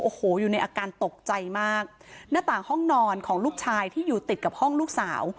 โอ้โหอยู่ในอาการตกใจมากหน้าต่างห้องนอนของลูกชายที่อยู่ติดกับห้องลูกสาว